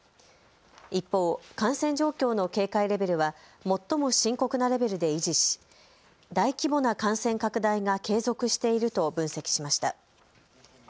一方、感染状況の警戒レベルは最も深刻なレベルで維持し大規模な感染拡大が継続していると分析しました。